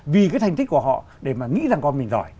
vì cái thành tích của họ để mà nghĩ rằng con mình giỏi